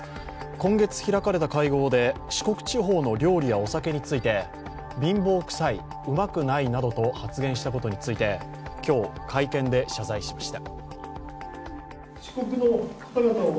今月開かれた会合で四国地方の料理やお酒について貧乏くさい、うまくないなどと発言したことについて、今日、会見で謝罪しました。